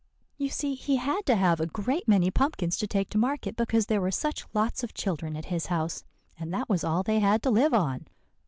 "You see, he had to have a great many pumpkins to take to market, because there were such lots of children at his house, and that was all they had to live on."